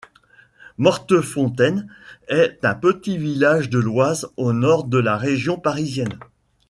Mortefontaine est un petit village de l'Oise, au nord de la région parisienne.